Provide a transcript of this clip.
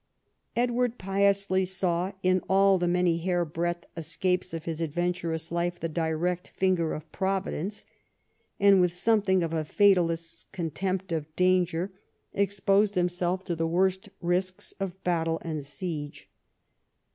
Edward piously saw in all the many hairbreadth escapes of his adventurous life the direct finger of Providence, and, Avith something of a fatalist's contempt of danger, exposed himself to the worst risks of battle and siege.